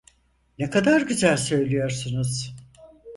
Ne kadar güzel söylüyorsunuz…